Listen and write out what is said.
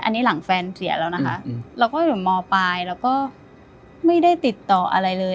อันนี้หลังแฟนเสียแล้วนะคะเราก็อยู่มปลายแล้วก็ไม่ได้ติดต่ออะไรเลย